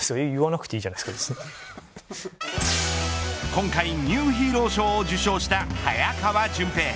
今回ニューヒーロー賞を受賞した早川隼平